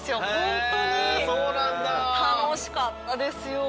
楽しかったですよ。